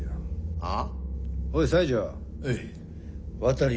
はあ？